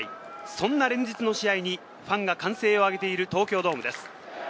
そんな連日の試合にファンが歓声を上げている東京ドームです。